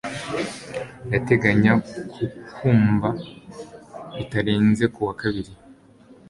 Ndateganya kukwumva bitarenze kuwa kabiri